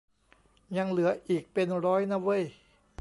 ยังเหลืออีกเป็นร้อยนะเว้ย